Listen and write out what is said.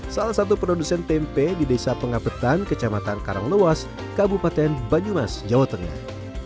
salah satu produsen tempe di desa pengapetan kecamatan karanglewas kabupaten banyumas jawa tengah